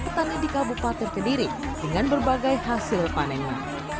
petani di kabupaten kediri dengan berbagai hasil panennya